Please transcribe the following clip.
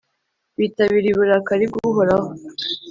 bitabiriye uburakari bw’Uhoraho,